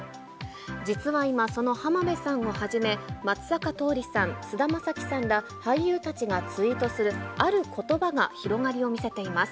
実は今、その浜辺さんをはじめ、松坂桃李さん、菅田将暉さんら、俳優たちがツイートする、あることばが広がりを見せています。